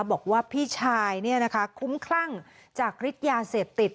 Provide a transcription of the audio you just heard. บอกว่าพี่ชายเนี่ยนะคะคุ้มครั่งจากฤทยาเสพติด